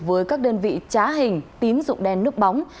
với các đơn vị trá hình tín dụng đen núp bóng